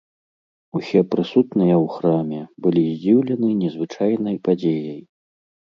Усе прысутныя ў храме былі здзіўлены незвычайнай падзеяй.